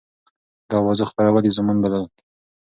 د اوازو خپرول يې زيانمن بلل.